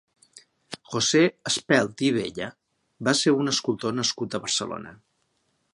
José Espelt i Beya va ser un escultor nascut a Barcelona.